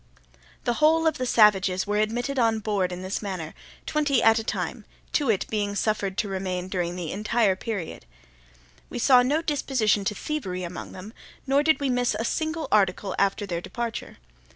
The whole of the savages were admitted on board in this manner, twenty at a time, Too wit being suffered to remain during the entire period. We saw no disposition to thievery among them, nor did we miss a single article after their departure.